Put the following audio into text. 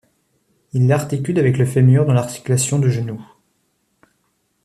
Ils l'articulent avec le fémur dans l'articulation du genou.